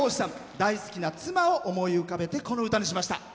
大好きな妻を思い浮かべてこの歌にしました。